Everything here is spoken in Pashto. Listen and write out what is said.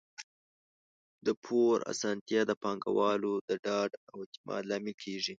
د پور اسانتیا د پانګوالو د ډاډ او اعتماد لامل کیږي.